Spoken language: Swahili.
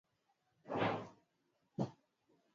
Alipata pesa kwa njia halali